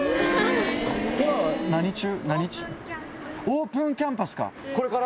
オープンキャンパスか。